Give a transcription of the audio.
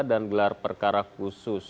dan gelar perkara khusus